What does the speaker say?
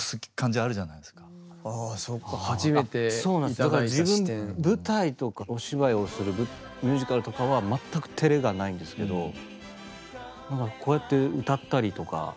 あっそうなんですだから自分舞台とかお芝居をするミュージカルとかは全く照れがないんですけどなんかこうやって歌ったりとか。